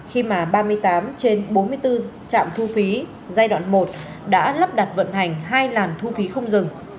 khi mà ba mươi tám trên bốn mươi bốn trạm thu phí giai đoạn một đã lắp đặt vận hành hai làn thu phí không dừng